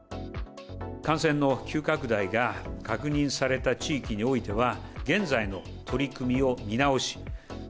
感染の急拡大が確認された地域においては、現在の取り組みを見直し。